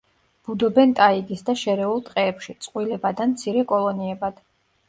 ბუდობენ ტაიგის და შერეულ ტყეებში, წყვილებად ან მცირე კოლონიებად.